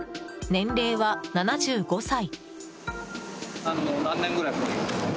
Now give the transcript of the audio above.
年齢は７５歳。